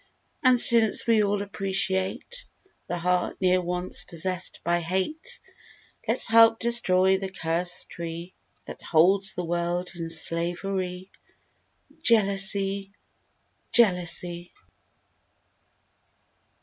And since we all appreciate The heart ne'er once possessed by "Hate," Let's help destroy the cursed tree That holds the world in slavery— "Jealousy!" "Jealousy!"